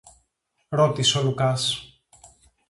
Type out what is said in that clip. ρώτησε ο Λουκάς.